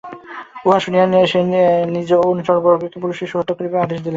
উহা শুনিয়া সে নিজ অনুচরবর্গকে সকল পুরুষ-শিশু হত্যা করিবার আদেশ দিল।